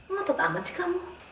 motot amat sih kamu